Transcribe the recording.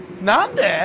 何で！？